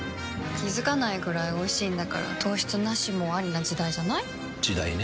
気付かないくらいおいしいんだから糖質ナシもアリな時代じゃない？時代ね。